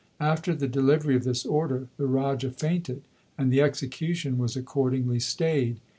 After the delivery of this order the Raja fainted, and the execution was accordingly stayed.